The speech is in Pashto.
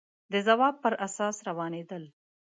د ځواب پر اساس روانېدل